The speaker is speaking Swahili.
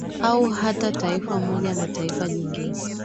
Au hata Taifa moja na Taifa jingine